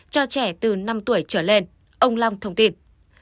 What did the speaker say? cho trẻ từ năm tuổi trở lên ông long thông tin